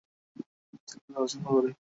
ছেলেদের পছন্দ করি!